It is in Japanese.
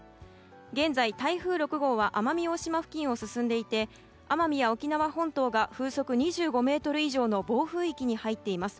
現在、台風６号は奄美大島付近を進んでいて奄美や沖縄本島が風速２５メートル以上の暴風域に入っています。